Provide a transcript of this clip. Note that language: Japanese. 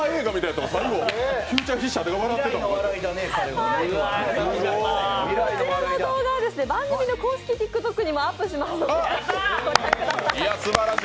こちらの動画は番組の公式ＴｉｋＴｏｋにもアップしますので、ご覧ください。